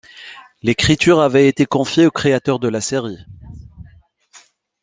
L'écriture avait été confiée aux créateurs de la série.